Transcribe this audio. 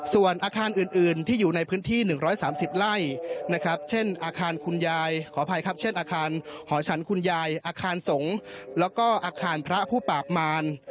ส่วนอาคารอื่นที่อยู่ในพื้นที่๑๓๐ไร่นะครับเช่นอาคารคุณยายขออภัยครับเช่นอาคารหอฉันคุณยายอาคารสงฆ์แล้วก็อาคารพระผู้ปากมาร